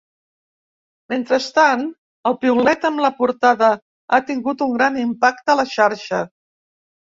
Mentrestant, el piulet amb la portada ha tingut un gran impacte a la xarxa.